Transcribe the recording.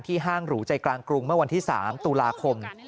ห้างหรูใจกลางกรุงเมื่อวันที่๓ตุลาคม